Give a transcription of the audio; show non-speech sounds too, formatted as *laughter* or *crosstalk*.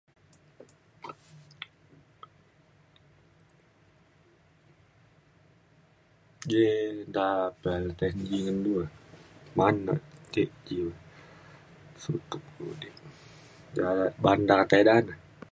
*noise* ji nta pe tein g ngan du e. ma'an na tek jiu sukep uding um baan da kata eda ne